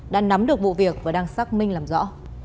đã nắm được vụ việc và đang xác minh làm rõ